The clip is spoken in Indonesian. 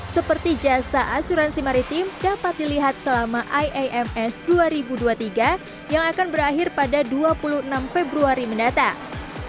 seperti jasa asuransi maritim dapat dilihat selama iams dua ribu dua puluh tiga yang akan berakhir pada dua puluh enam februari mendatang